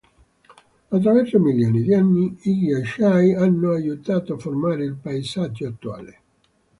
Attraverso milioni di anni, i ghiacciai hanno aiutato a formare il paesaggio attuale.